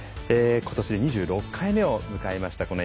今年で２６回目を迎えました